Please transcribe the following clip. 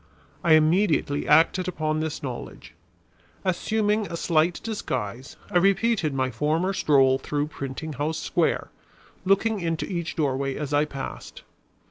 I immediately acted upon this knowledge. Assuming a slight disguise, I repeated my former stroll through Printing house Square, looking into each doorway as I passed.